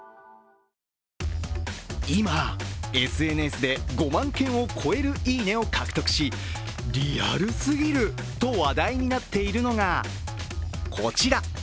今、ＳＮＳで５万件を超えるいいねを獲得しリアルすぎると話題になっているのがこちら。